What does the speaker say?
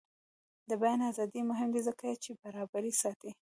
د بیان ازادي مهمه ده ځکه چې برابري ساتي.